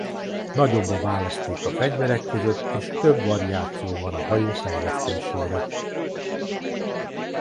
Nagyobb a választék a fegyverek között és több variáció van a hajó fejlesztésére.